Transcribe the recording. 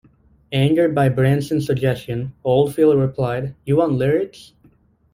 Angered by Branson's suggestion, Oldfield replied, You want lyrics!?